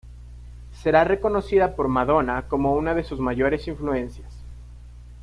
Será reconocida por Madonna como una de sus mayores influencias.